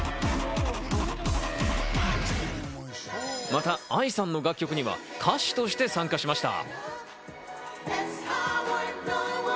またＡＩさんの楽曲には歌手として参加しました。